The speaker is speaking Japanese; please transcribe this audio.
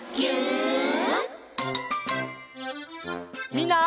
みんな。